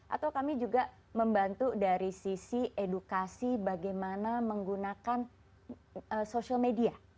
atau kami juga membantu dari sisi edukasi bagaimana menggunakan social media